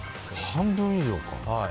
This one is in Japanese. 半分以上か。